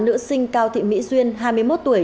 nữ sinh cao thị mỹ duyên hai mươi một tuổi